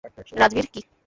রাজবীর - কি?